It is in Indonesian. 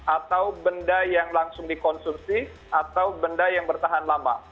atau benda yang langsung dikonsumsi atau benda yang bertahan lama